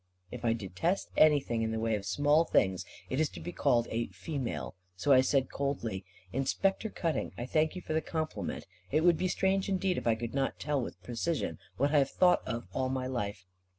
If I detest anything, in the way of small things, it is to be called a "female." So I said coldly; "Inspector Cutting, I thank you for the compliment. It would be strange indeed if I could not tell with precision, what I have thought of all my life."